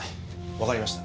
わかりました。